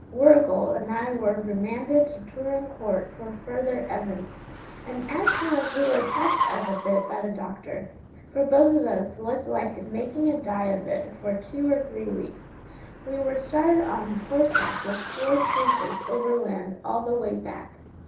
Warrigal and I were remanded to Turon Court for further evidence, and as soon as we were patched up a bit by the doctor for both of us looked like making a die of it for two or three weeks we were started on horseback with four troopers overland all the way back.